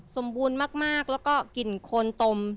สมบูรณ์มากแล้วก็กลิ่นโคนตม